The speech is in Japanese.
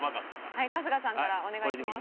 はい春日さんからお願いします。